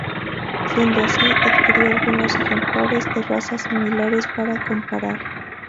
Siendo así, adquirió algunos ejemplares de razas similares para comparar.